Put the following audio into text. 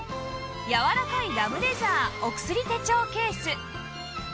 やわらかいラムレザーお薬手帳ケース